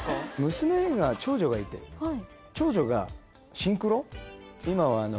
娘が長女がいてシンクロ？